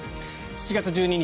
７月１２日